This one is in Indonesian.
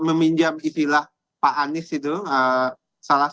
meminjam istilah pak anies itu salah